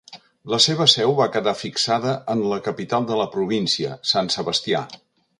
La seva seu va quedar fixada en la capital de la província, Sant Sebastià.